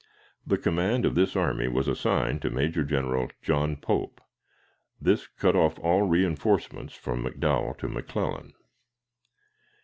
The command of this army was assigned to Major General John Pope. This cut off all reënforcements from McDowell to McClellan.